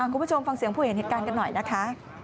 คุณผู้ชมฟังเสียงผู้เห็นเหตุการณ์กันหน่อยนะคะ